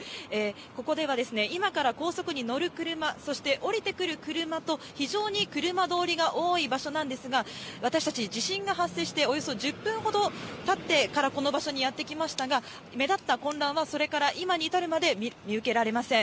ここでは、今から高速に乗る車、そして降りてくる車と、非常に車通りが多い場所なんですが、私たち、地震が発生しておよそ１０分ほどたってから、この場所にやって来ましたが、目立った混乱は、それから今に至るまで見受けられません。